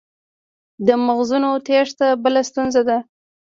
د مغزونو تیښته بله ستونزه ده.